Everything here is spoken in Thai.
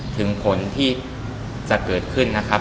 ถึงผลที่จะเกิดขึ้นนะครับ